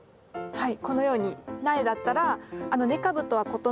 はい。